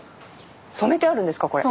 染めてあるんですかこれ。